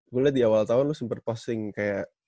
gue di awal tahun lu sempet posting kayak